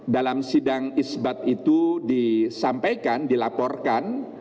dalam sidang isbat itu disampaikan dilaporkan